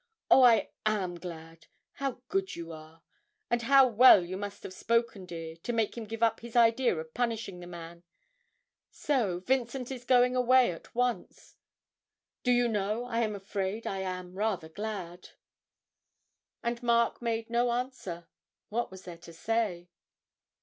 'Oh, I am glad! How good you are, and how well you must have spoken, dear, to make him give up his idea of punishing the man! So Vincent is going away at once. Do you know I am afraid I am rather glad?' And Mark made no answer; what was there to say?